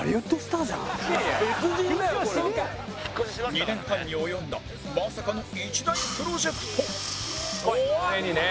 ２年半に及んだまさかの一大プロジェクト怖っ！